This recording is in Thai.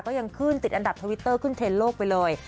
ก็ยังขึ้นติดอันดับทวิตเตอร์ขึ้นเทรนดโลกไปเลย